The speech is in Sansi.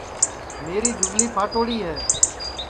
میری جھُگلی پھاٹوڑی ہے